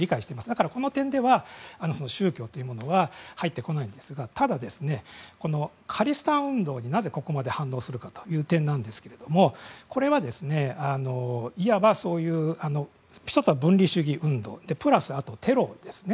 だから、この点では宗教というものは入ってこないんですがただ、カリスタン運動になぜ、ここまで反論するかという点なんですがこれは、いわば１つは分離主義運動プラス、テロですね。